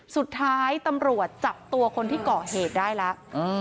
สุดท้ายตำรวจจับตัวคนที่ก่อเหตุได้แล้ว